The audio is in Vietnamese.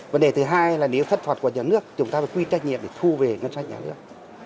vấn đề thứ hai là nếu thất thoạt của nhà nước chúng ta phải quy trách nhiệm để thu về ngân sách nhà nước